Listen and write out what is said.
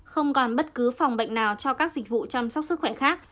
không còn bất cứ phòng bệnh nào cho các dịch vụ chăm sóc sức khỏe khác